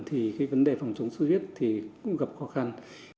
thì cái vấn đề phòng chống xuất huyết thì cũng gặp khó khăn